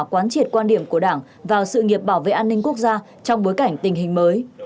quán triệt quan điểm của đảng vào sự nghiệp bảo vệ an ninh quốc gia trong bối cảnh tình hình mới